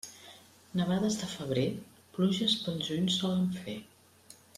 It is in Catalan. Nevades de febrer, pluges pel juny solen fer.